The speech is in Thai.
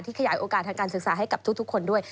ขยายโอกาสทางการศึกษาให้กับทุกคนด้วย